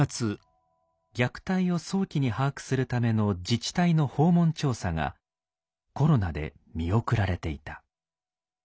虐待を早期に把握するための自治体の訪問調査がコロナで見送られていた。